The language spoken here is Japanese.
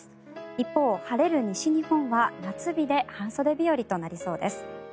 一方、晴れる西日本は夏日で半袖日和となりそうです。